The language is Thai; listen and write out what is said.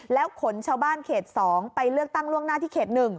แล้วขนชาวบ้านเขต๒ไปเลือกตั้งล่วงหน้าที่เขต๑